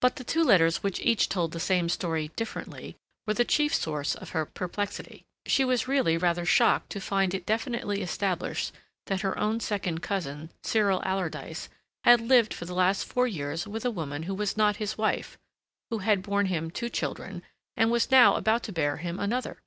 But the two letters which each told the same story differently were the chief source of her perplexity. She was really rather shocked to find it definitely established that her own second cousin, Cyril Alardyce, had lived for the last four years with a woman who was not his wife, who had borne him two children, and was now about to bear him another.